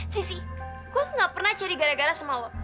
sisi gue tuh nggak pernah jadi gara gara sama lo